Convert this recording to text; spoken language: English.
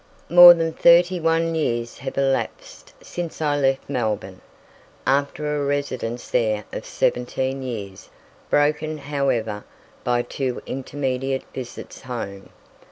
More than thirty one years have elapsed since I left Melbourne, after a residence there of seventeen years, broken, however, by two intermediate visits "Home."